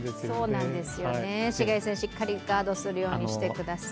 紫外線、しっかりガードするようにしてください。